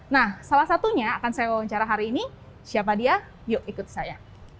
nah salah satunya akan saya wawancara hari ini siapa dia yuk ikut saya